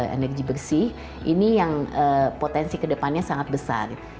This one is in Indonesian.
energi bersih ini yang potensi ke depannya sangat besar